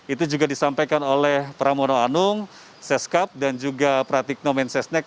itu juga disampaikan oleh pramono anung seskap dan juga pratikno mensesnek